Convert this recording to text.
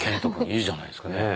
いいじゃないですかね。